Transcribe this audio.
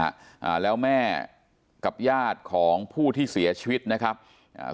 อ่าแล้วแม่กับญาติของผู้ที่เสียชีวิตนะครับอ่า